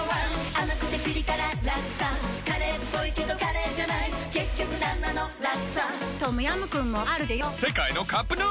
甘くてピリ辛ラクサカレーっぽいけどカレーじゃない結局なんなのラクサトムヤムクンもあるでヨ世界のカップヌードル